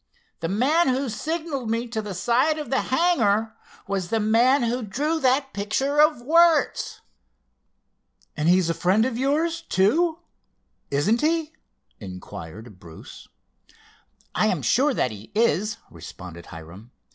The man who signaled me to the side of the hangar was the man who drew that picture of Wertz." "And he's a friend of yours, too; isn't he?" inquired Bruce. "I am sure that he is," responded Hiram.